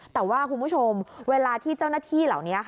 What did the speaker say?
แต่ว่าคุณผู้ชมเวลาที่เจ้าหน้าที่เหล่านี้